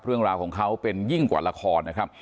เรื่องราวของเขาเป็นยิ่งกว่าละครนะครับ